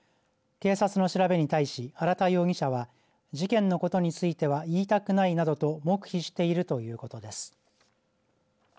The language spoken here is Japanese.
警察の調べに対し、荒田容疑者は事件のことについては言いたくないなどと黙秘しているということです。